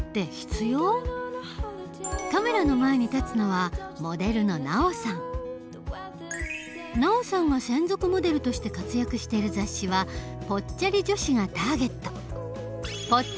カメラの前に立つのはＮＡＯさんが専属モデルとして活躍している雑誌はぽっちゃり女子がターゲット。